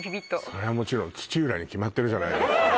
それはもちろん土浦に決まってるじゃないですかえー